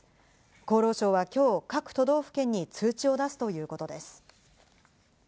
厚労省は今日、各都道府県に通知を出すということです。